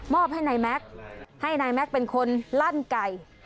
ให้นายแม็กซ์ให้นายแม็กซ์เป็นคนลั่นไก่